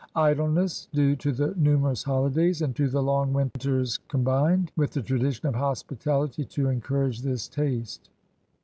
Idleness due to the numerous holidays and to the long winters com bined with the tradition of hospitality to encour age this taste.